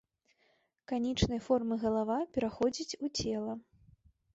Канічнай формы галава пераходзіць у цела.